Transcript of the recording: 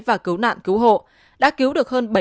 và cứu nạn cứu hộ đã cứu được hơn